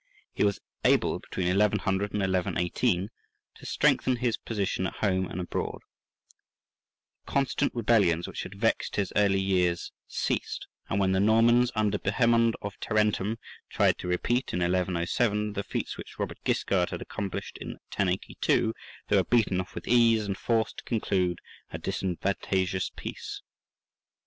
He was able, between 1100 and 1118, to strengthen his position at home and abroad; the constant rebellions which had vexed his early years ceased, and when the Normans, under Bohemund of Tarentum, tried to repeat, in 1107, the feats which Robert Guiscard had accomplished in 1082, they were beaten off with ease, and forced to conclude a disadvantageous peace.